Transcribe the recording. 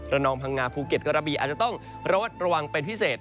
นองพังงาภูเก็ตกระบีอาจจะต้องระวัดระวังเป็นพิเศษ